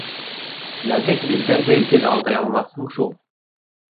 Нәҙек билдәрҙе гел алдай алмаҫһың шул!